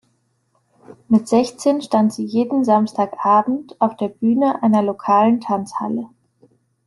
Mit sechzehn stand sie jeden Samstagabend auf der Bühne einer lokalen Tanzhalle.